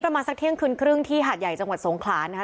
ประมาณสักเที่ยงคืนครึ่งที่หาดใหญ่จังหวัดสงขลานะคะ